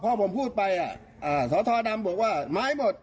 พอผมพูดไปสทดำบอกว่าไม้หมด